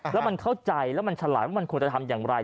แล้วมันเข้าใจแล้วมันฉลาดว่ามันควรจะทำอย่างไร